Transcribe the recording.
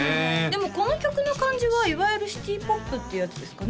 でもこの曲の感じはいわゆるシティポップっていうやつですかね？